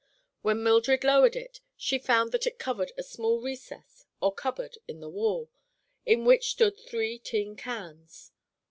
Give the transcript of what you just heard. When Mildred lowered it she found that it covered a small recess or cupboard in the wall, in which stood three tin cans.